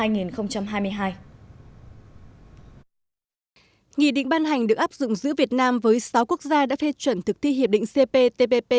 nghị định ban hành được áp dụng giữa việt nam với sáu quốc gia đã phê chuẩn thực thi hiệp định cptpp